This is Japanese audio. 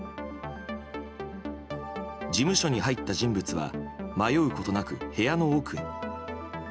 事務所に入った人物は迷うことなく部屋の奥へ。